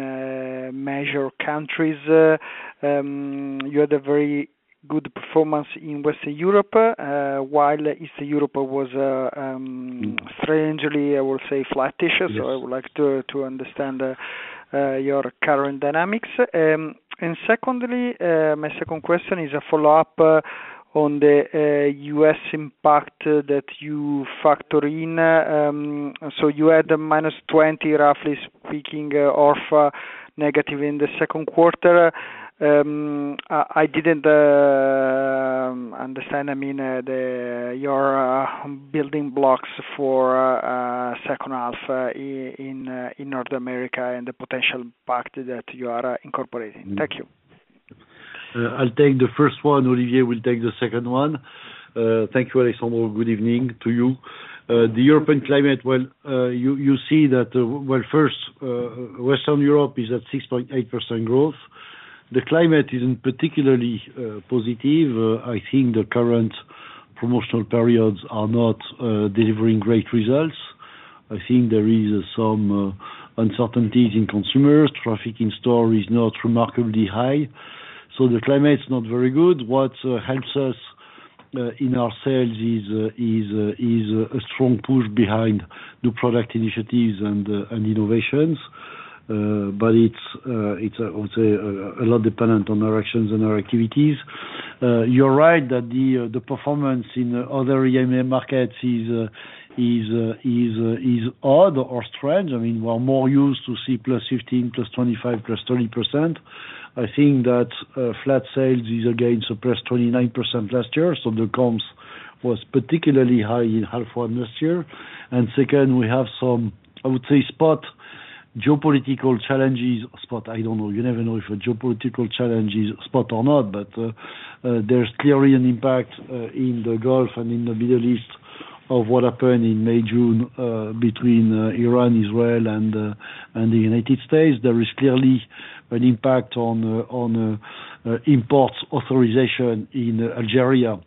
[SPEAKER 1] major countries. You had a very good performance in Western Europe, while Eastern Europe was strangely, I would say, flattish. I would like to understand your current dynamics. My second question is a follow up on the U.S. impact that you factor in. You had -20%, roughly speaking, of negative in the second quarter. I didn't understand your building blocks for the second half in North America and the potential impact that you are incorporating. Thank you.
[SPEAKER 2] I'll take the first one. Olivier will take the second one. Thank you. Alessandro, good evening to you. The European climate. You see that first Western Europe is at 6.8% growth. The climate isn't particularly positive. I think the current promotional periods are not delivering great results. I think there is some uncertainties in consumers. Traffic in store is not remarkably high. The climate's not very good. What helps us in our sales is a strong push behind new product initiatives and innovations. It's a lot dependent on our actions and our activities. You're right that the performance in other EMEA markets is odd or strange. I mean we're more used to see +15%, +25%, +30%. I think that flat sales is again suppressed 29% last year. The comps was particularly high in half one last year. Second, we have some, I would say, spot geopolitical challenges. Spot, I don't know, you never know if a geopolitical challenge is spot or not. There's clearly an impact in the Gulf and in the Middle East of what happened in May June between Iran, Israel and the United States. There is clearly an impact on imports authorization in Algeria.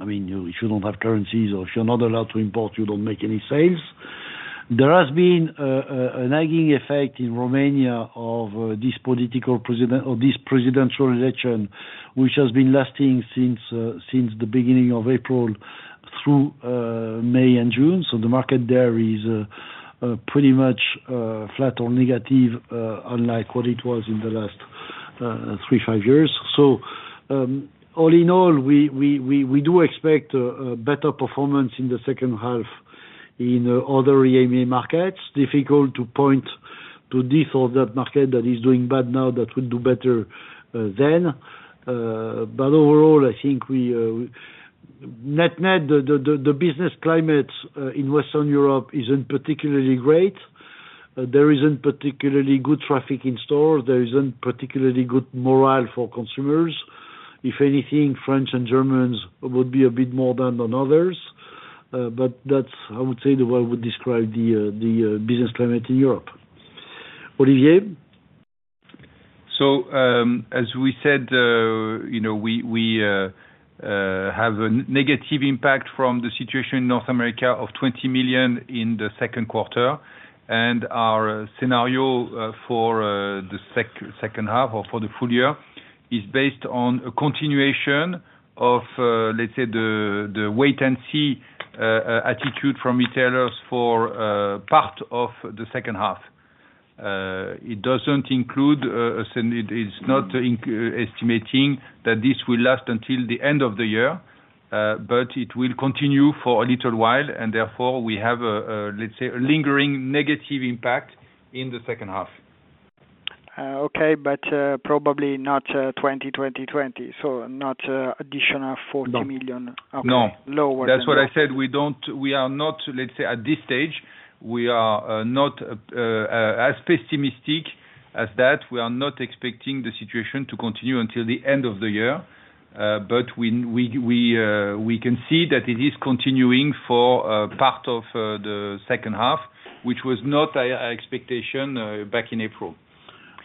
[SPEAKER 2] I mean if you don't have currencies or if you're not allowed to import, you don't make any sales. There has been a nagging effect in Romania of this political president or this presidential election which has been lasting since the beginning of April through May and June. The market there is pretty much flat or negative, unlike what it was in the last three, five years. All in all we do expect better performance in the second half in other EMEA markets. Difficult to point to this or that market that is doing bad now that would do better then. Overall I think we net net the business climate in Western Europe isn't particularly great. There isn't particularly good traffic in stores, there isn't particularly good morale for consumers. If anything, French and Germans would be a bit more than others. That's, I would say, the way I would describe the business climate in Europe. Olivier.
[SPEAKER 3] As we said, we have a negative impact from the situation in North America of $20 million in the second quarter, and our scenario for the second half or for the full year is based on a continuation of, let's say, the wait and see attitude from retailers for part of the second half. It doesn't include, it's not estimating that this will last until the end of the year, but it will continue for a little while, and therefore we have, let's say, a lingering negative impact in the second half. Okay, probably not 2020. 2020, so not additional $40 million, no, lower. That's what I said. We are not, let's say at this stage, we are not as pessimistic as that. We are not expecting the situation to continue until the end of the year, but we can see that it is continuing for part of the second half, which was not our expectation back in April.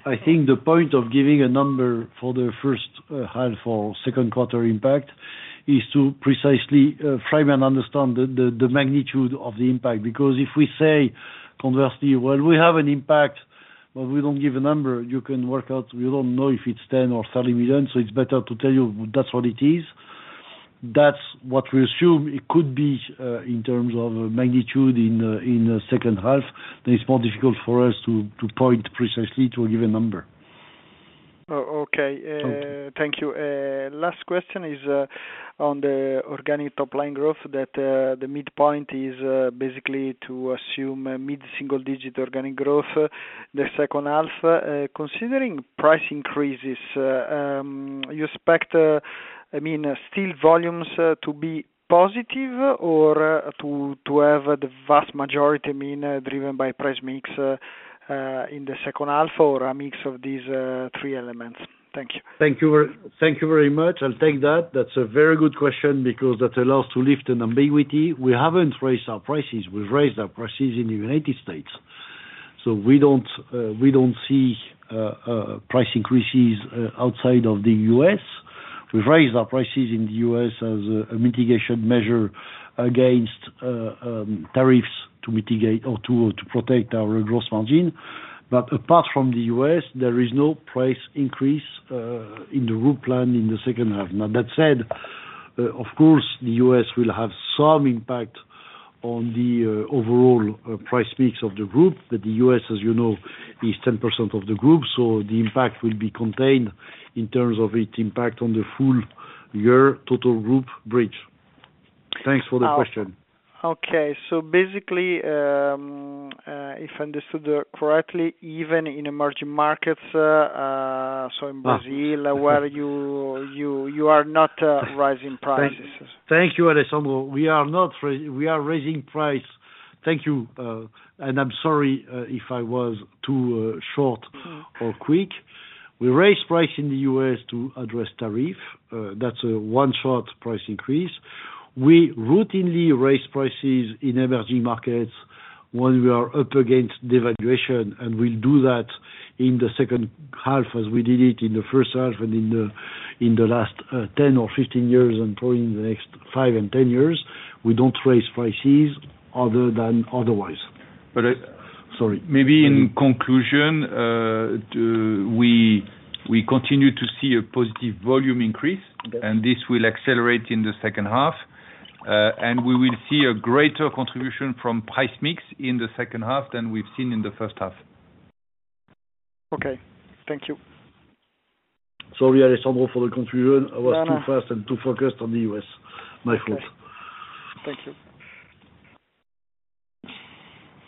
[SPEAKER 2] I think the point of giving a number for the first half or second quarter impact is to precisely frame and understand the magnitude of the impact. Because if we say, conversely, we have an impact, but we don't give a number, you can work out you don't know if it's $10 million or $30 million. It's better to tell you that's what it is. That's what we assume it could be in terms of magnitude in the second half. It's more difficult for us to point precisely to a given number. Okay, thank you. Last question is on the organic top line growth that the midpoint is basically to assume mid single digit organic growth. The second half, considering price increases, you expect, I mean, still volumes to be positive or to have the vast majority, I mean, driven by price mix in the second half or a mix of these three elements. Thank you. Thank you. Thank you very much. I'll take that. That's a very good question because that allows to lift an ambiguity. We haven't raised our prices. We've raised our prices in the U.S. We don't see price increases outside of the U.S. We've raised our prices in the U.S. as a mitigation measure against tariffs to mitigate or to protect our gross margin. Apart from the U.S., there is no price increase in the group plan in the second half. Now, that said, of course, the U.S. will have some impact on the overall price mix of the group, but the U.S., as you know, is 10% of the group. The impact will be contained in terms of its impact on the full year total group bridge. Thanks for the question. Okay, so basically, if I understood correctly, even in emerging markets, so in Brazil, where you are not raising prices. Thank you, Alessandro. We are not. We are raising price. Thank you. I'm sorry if I was too short or quick. We raised price in the U.S. to address tariffs. That's a one shot price increase. We routinely raise prices in emerging markets when we are up against devaluation, and we do that in the second half as we did it in the first half and in the last 10 or 15 years and probably in the next five and 10 years. We don't raise prices otherwise.
[SPEAKER 3] Maybe in conclusion, we continue to see a positive volume increase, and this will accelerate in the second half. We will see a greater contribution from price mix in the second half than we've seen in the first half. Okay, thank you.
[SPEAKER 2] Sorry, Alessandro, for the confusion. I was too fast and too focused on the U.S. My fault. Thank you.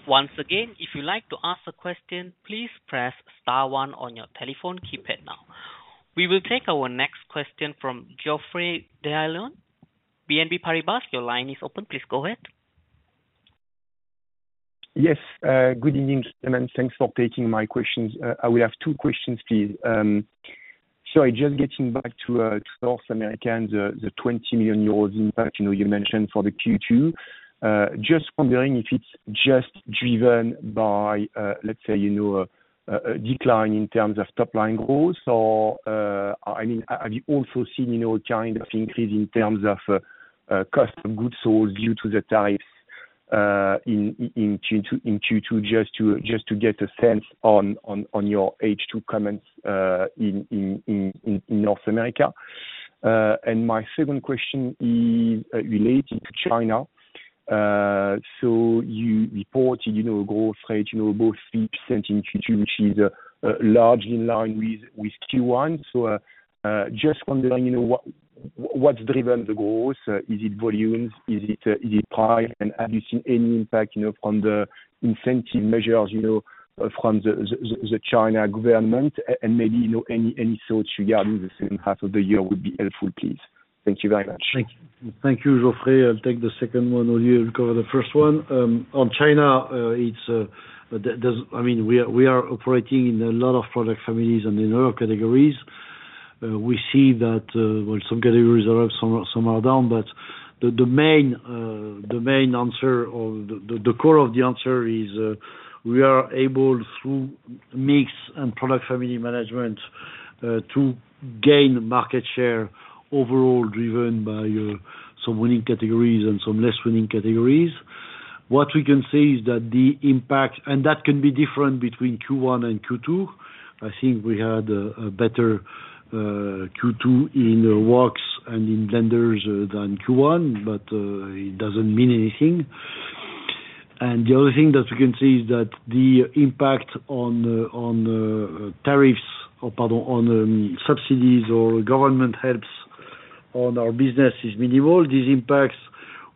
[SPEAKER 1] Once again, if you would like to ask a question, please press star one on your telephone keypad. Now we will take our next question from Geoffrey d'Halluin, BNP Paribas. Your line is open. Please go ahead.
[SPEAKER 6] Yes, good evening. Thanks for taking my questions. I will have two questions, please. Just getting back to North America and the 20 million euros impact you mentioned for Q2, I'm just wondering if it's driven by a decline in terms of top line growth, or have you also seen an increase in terms of cost of goods sold due to the tariffs in Q2? I just want to get a sense on your H2 comments in North America. My second question is related to China. You reported growth rate of 3% in Q2, which is largely in line with Q1. I'm just wondering what's driven the growth. Is it volumes, is it price? Have you seen any impact from the incentive measures from the China government? Any thoughts regarding the second half of the year would be helpful, please. Thank you very much.
[SPEAKER 2] Thank you. Geoffrey. I'll take the second one. Olivier, cover the first one. On China, we are operating in a lot of product families and in other categories we see that some categories are up, some are down. The main answer or the core of the answer is we are able through mix and product family management to gain market share overall, driven by some winning categories and some less winning categories. What we can say is that the impact, and that can be different between Q1 and Q2. I think we had a better Q2 in woks and in blenders than Q1, but it doesn't mean anything. The other thing that we can see is that the impact on tariffs, on subsidies or government helps, on our business is minimal. These impacts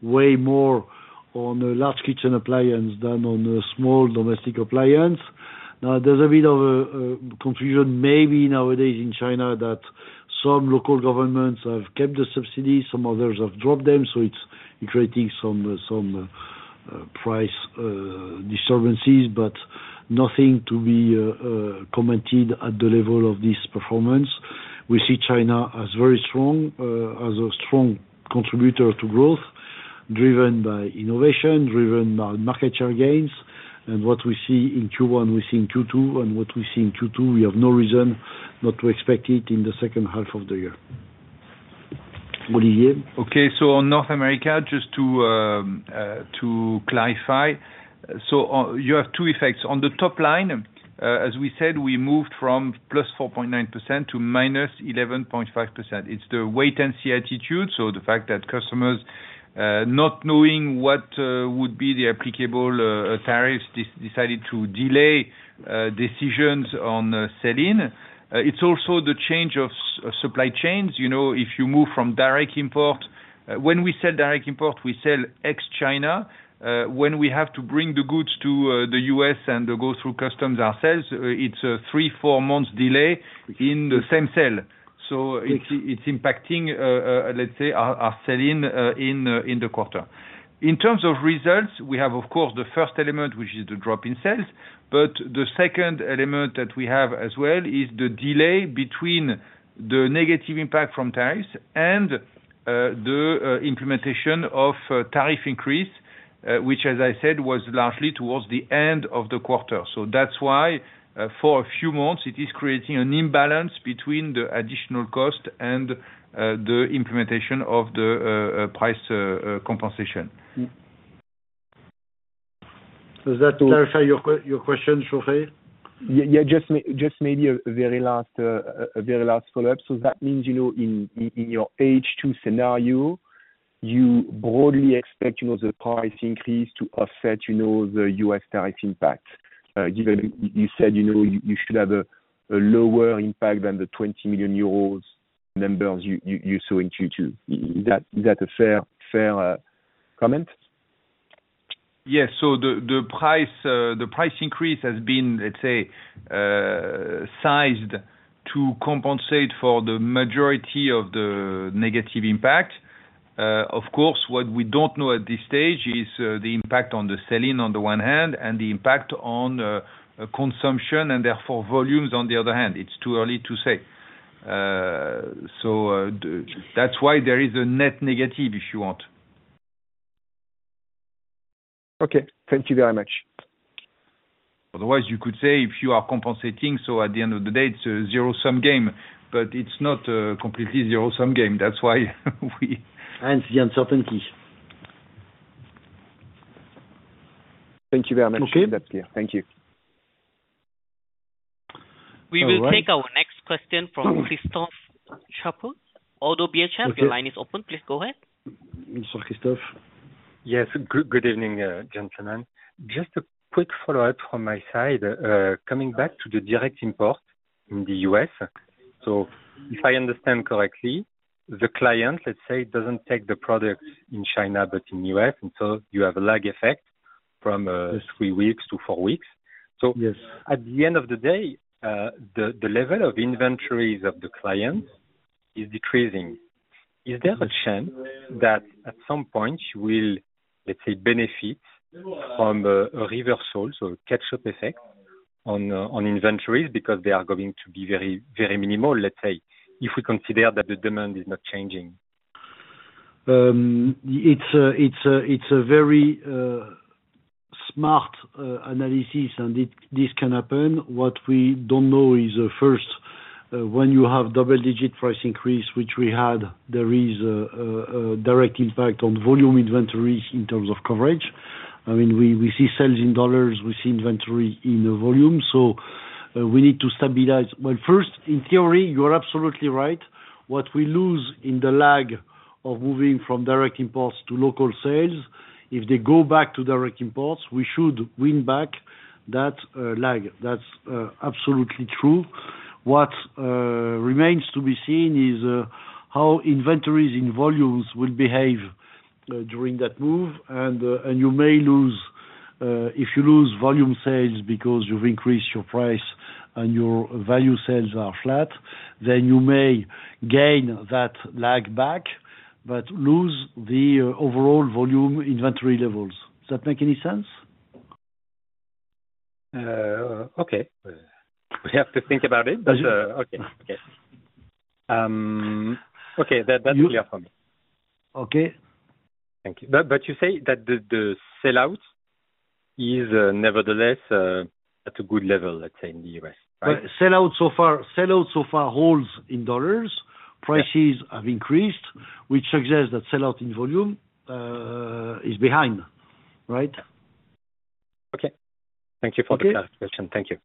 [SPEAKER 2] weigh more on large kitchen appliances than on a small domestic appliance. Now there's a bit of a confusion maybe nowadays in China that some local governments have kept the subsidies, some others have dropped them. It's creating some price disturbances, but nothing to be commented at the level of this performance. We see China as very strong, as a strong contributor to growth driven by innovation, driven by market share gains. What we see in Q1 we see in Q2, and what we see in Q2, we have no reason not to expect it in the second half of the year. Olivier.
[SPEAKER 3] Okay, so on North America, just to clarify, you have two effects on the top line as well. As we said, we moved from +4.9% to -11.5%. It's the wait and see attitude. The fact that customers, not knowing what would be the applicable tariffs, decided to delay decisions on selling. It's also the change of supply chains. You know, if you move from direct import, when we sell direct import, we sell ex China. When we have to go bring the goods to the U.S. and go through customs ourselves, it's a three, four months delay in the same sale. It's impacting, let's say, our selling in the quarter. In terms of results, we have of course the first element, which is the drop in sales. The second element that we have as well is the delay between the negative impact from tariffs and the implementation of tariff increase, which as I said was largely towards the end of the quarter. That's why for a few months it is creating an imbalance between the additional cost and the implementation of the price compensation.
[SPEAKER 2] Does that clarify your question?
[SPEAKER 6] Just maybe a very last follow up. That means, in your H2 scenario you broadly expect the price increase to offset the U.S. tariff impact. Given you said you should have a lower impact than the 20 million euros numbers you saw in Q2. Is that a fair comment?
[SPEAKER 3] Yes. The price increase has been, let's say, sized to compensate for the majority of the negative impact. Of course, what we don't know at this stage is the impact on the selling on the one hand and the impact on consumption and therefore volumes on the other hand. It's too early to say. That's why there is a net negative if you want.
[SPEAKER 6] Okay, thank you very much.
[SPEAKER 3] Otherwise, you could say if you are compensating. At the end of the day, it's a zero sum game, but it's not a completely zero sum game. That's why we
[SPEAKER 2] hence the uncertainty.
[SPEAKER 6] Thank you very much. Thank you.
[SPEAKER 1] We will take our next question from Christophe Chaput of BHF. Your line is open. Please go ahead.
[SPEAKER 7] Yes, good evening gentlemen. Just a quick follow-up from my side coming back to the direct import in the U.S. If I understand correctly, the client, let's say, doesn't take the products in China but in the U.S., and you have a lag effect from three weeks to four weeks. At the end of the day, the level of inventories of the clients is decreasing. Is there a chance that at some point you will, let's say, benefit from reversals or catch-up effect on inventories because they are going to be very minimal, let's say, if we consider that the demand is not changing.
[SPEAKER 2] It's a very smart analysis and this can happen. What we don't know is first, when you have double-digit price increase, which we had, there is a direct impact on volume inventories in terms of coverage. I mean, we see sales in dollars, we see inventory in volume. We need to stabilize. First, in theory, you are absolutely right. What we lose in the lag of moving from direct imports to local sales, if they go back to direct imports, we should win back that lag. That's absolutely true. What remains to be seen is how inventories in volumes will behave during that move. You may lose. If you lose volume sales because you've increased your price and your value sales are flat, then you may gain that lag back but lose the overall volume inventory levels. Does that make any sense?
[SPEAKER 7] Okay. We have to think about it. Okay, that's clear for me. Thank you. You say that the sellout is nevertheless at a good level. Let's say in the U.S.
[SPEAKER 2] Sellout so far, holds in dollars, prices have increased, which suggests that sellout in volume is behind. Right.
[SPEAKER 7] Okay, thank you for the question. Thank you.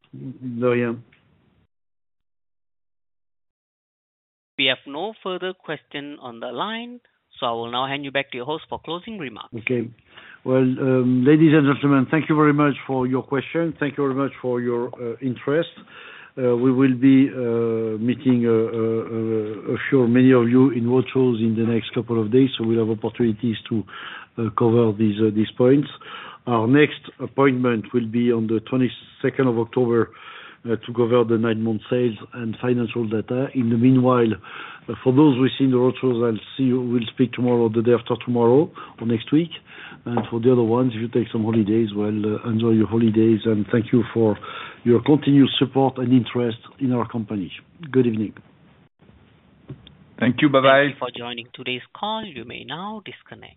[SPEAKER 1] We have no further questions on the line. I will now hand you back to your host for closing remarks.
[SPEAKER 2] Okay. Ladies and gentlemen, thank you very much for your question. Thank you very much for your interest. We will be meeting many of you in roadshows in the next couple of days, so we'll have opportunities to cover these points. Our next appointment will be on the 22nd of October to cover the nine month sales and financial data. In the meanwhile, for those who are seeing the roadshows, I'll see you. We'll speak tomorrow, the day after tomorrow, or next week. For the other ones, if you take some holidays, enjoy your holidays and thank you for your continued support and interest in our company. Good evening.
[SPEAKER 3] Thank you. Bye bye.
[SPEAKER 1] Thank you for joining today's call. You may now disconnect.